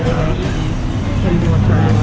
ทีมอวการ